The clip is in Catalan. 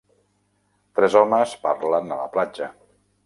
Tres homes parlen a la platja.